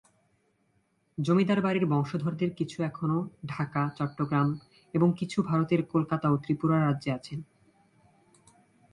জমিদার বাড়ির বংশধরদের কিছু এখনো ঢাকা, চট্টগ্রাম এবং কিছু ভারতের কলকাতা ও ত্রিপুরা রাজ্যে আছেন।